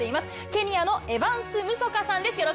ケニアのエヴァンス・ムソカさんです。